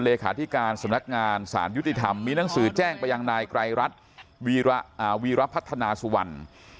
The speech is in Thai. เลขาธิการสำนักงานสารยุติธรรมมีหนังสือแจ้งไปยังนายไกรรัฐวีรพัฒนาสุวรรณ